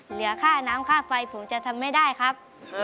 เหลือค่าน้ำค่าไฟผมจะทำไม่ได้ครับ